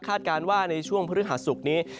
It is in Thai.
คาดการณ์ว่าในช่วงพฤหสุกนี้